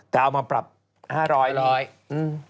แต่เอามาปรับ๕๐๐เอง